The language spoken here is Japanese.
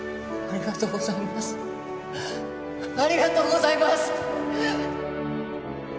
ありがとうございます！